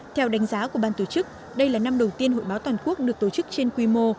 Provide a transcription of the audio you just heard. theo đánh giá của ban tổ chức đây là năm đầu tiên hội báo toàn quốc được tổ chức trên quy mô